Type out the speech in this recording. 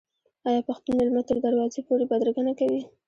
آیا پښتون میلمه تر دروازې پورې بدرګه نه کوي؟